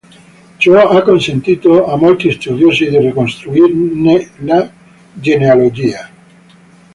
Ciò ha consentito a molti studiosi di ricostruirne la genealogia.